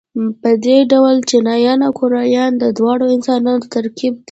په دې ډول چینایان او کوریایان د دواړو انسانانو ترکیب دي.